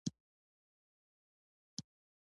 که یو لور زور کړي ستونزه لویېږي.